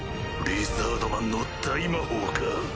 リザードマンの大魔法か？